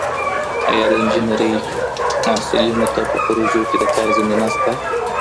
آیا د انجینرۍ محصلینو ته په پروژو کي د کار زمینه سته؟